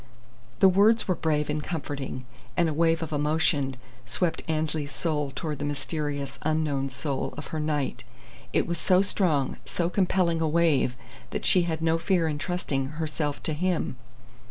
The words were brave and comforting, and a wave of emotion swept Annesley's soul toward the mysterious, unknown soul of her knight. It was so strong, so compelling a wave that she had no fear in trusting, herself to him.